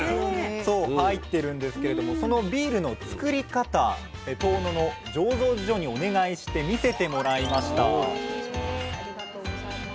そう入ってるんですけれどもそのビールのつくり方遠野の醸造所にお願いして見せてもらいました。